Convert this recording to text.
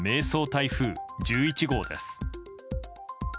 台風１１号です。